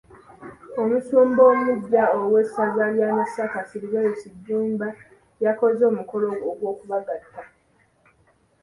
Omusumba omuggya ow'essaza ly'e Masaka, Serverus Jjumba y'akoze omukolo ogw'okubagatta.